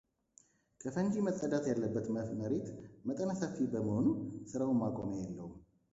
ከፈንጂ መጸዳት ያለበትም መሬት መጠነ ሰፊ በመሆኑ ሥራው ማቆሚያ የለውም።